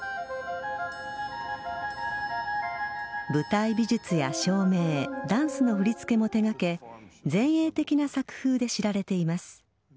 舞台美術や照明ダンスの振り付けも手がけ前衛的な作風で知られています。